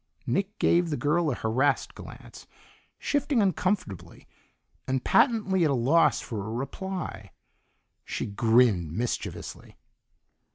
Nick gave the girl a harassed glance, shifting uncomfortably, and patently at a loss for a reply. She grinned mischievously.